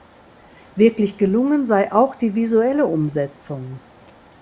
Wirklich gelungen sei auch die visuelle Umsetzung.